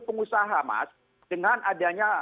pengusaha mas dengan adanya